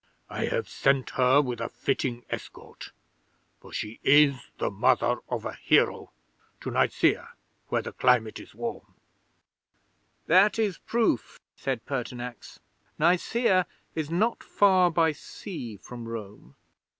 I have sent her with a fitting escort, for she is the mother of a hero, to Nicaea, where the climate is warm_.' '"That is proof," said Pertinax. "Nicaea is not far by sea from Rome.